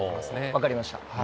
分かりました。